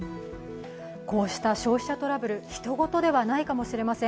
こうした消費者トラブルひと事ではないかもしれません。